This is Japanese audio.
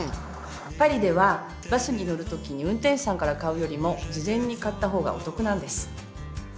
パリではバスに乗る時に運転手さんから買うよりも事前に買った方がお得なんです。